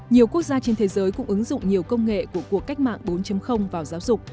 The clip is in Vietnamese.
nhiều quốc gia trên thế giới cũng ứng dụng nhiều công nghệ của cuộc cách mạng bốn vào giáo dục